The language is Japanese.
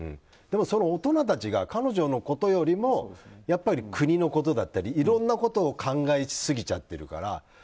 でも、その大人たちが彼女のことよりもやっぱり国のことだったりいろいろなことを考えすぎちゃってるから。